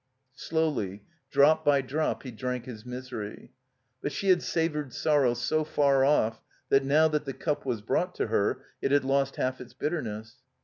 Slowly, drop by drop, he drank his misery. But she had savored sorrow so far ofiE that now that the cup was brought to her it had lost half its bitterness.